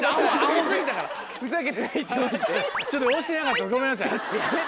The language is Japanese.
押してなかったごめんなさい。